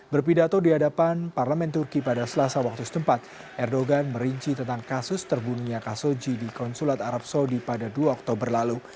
berpidato di hadapan parlemen turki pada selasa waktu setempat erdogan merinci tentang kasus terbunuhnya kasoji di konsulat arab saudi pada dua oktober lalu